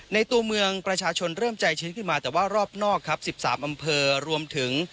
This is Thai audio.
ในตัวเมืองประชาชนเริ่มใจชื้นขึ้นมาแต่ว่ารอบนอกครับ๑๓อำเภอรวมถึง